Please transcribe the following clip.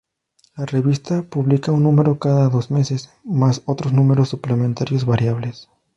La revista publica un número cada dos meses, más otros números suplementarios variables.